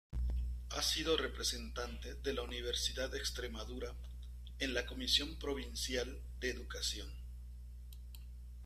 Ha sido representante de la Universidad de Extremadura en la Comisión Provincial de Educación.